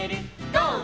ゴー！」